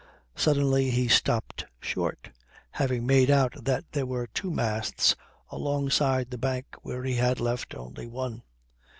Suddenly he stopped short, having made out that there were two masts alongside the bank where he had left only one.